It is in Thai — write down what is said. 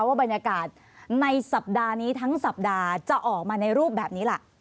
ว่าบรรยากาศในสัปดาห์นี้ทั้งสัปดาห์จะออกมาในรูปแบบนี้ล่ะ